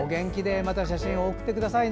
また写真を送ってくださいね。